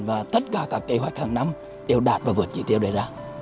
và tất cả các kế hoạch hàng năm đều đạt và vượt chỉ tiêu đề ra